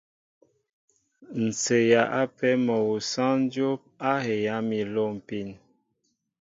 Ǹ seeya ápē mol awu sááŋ dyóp a heyá mi a lômpin.